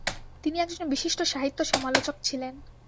তিনি একজন বিশিষ্ট সাহিত্য-সমালোচক ছিলেন।